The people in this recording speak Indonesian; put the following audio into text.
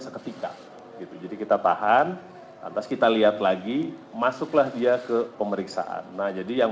seketika gitu jadi kita tahan lantas kita lihat lagi masuklah dia ke pemeriksaan nah jadi yang